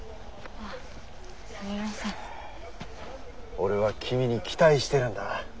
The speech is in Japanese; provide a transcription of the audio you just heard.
俺は君に期待してるんだ。